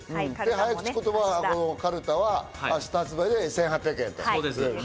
早口言葉のカルタは明日発売で１８００円。